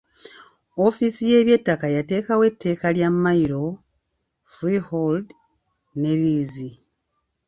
Ofiisi y’eby'ettaka yateekawo ettaka lya mmayiro, freehold ne liizi.